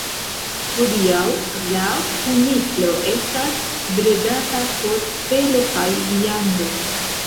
Hodiaŭ la kuniklo estas bredata por felo kaj viando.